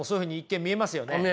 見えます。